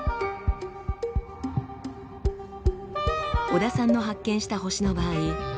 小田さんの発見した星の場合